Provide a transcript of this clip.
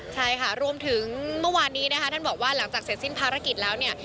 ใช่ค่ะรวมถึงเมื่อวานนี้นะคะท่านบอกว่าหลังจากเสร็จสิ้นภารกิจแล้วเนี่ย